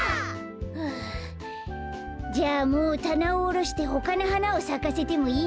はあじゃあもうたなをおろしてほかのはなをさかせてもいいよね。